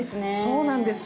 そうなんです。